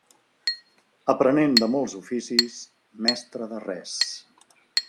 Aprenent de molts oficis, mestre de res.